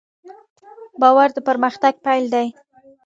باور د پرمختګ پیل دی.